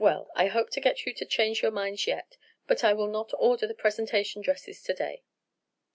"Well, I hope to get you to change your minds yet; but I will not order the presentation dresses to day."